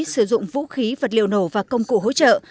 sử dụng vũ khí vật liệu nổ và công cụ hỗ trợ